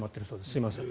すいません。